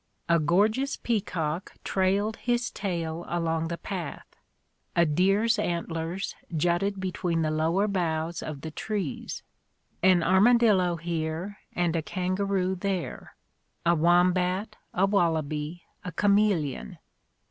A gorgeous peacock trailed his tail along the path : a deer's antlers jutted between the lower boughs of the trees. An armadillo here, and a kangaroo there : a wombat, a wallaby, a chameleon.